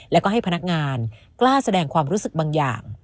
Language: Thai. แล้วก็ให้พนักงานกล้าแสดงความรู้สึกบางอย่าง